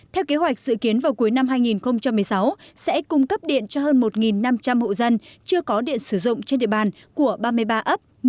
theo kế hoạch dự kiến vào cuối năm hai nghìn một mươi sáu sẽ cung cấp điện cho hơn một năm trăm linh hộ dân chưa có điện sử dụng trên địa bàn của ba mươi ba ấp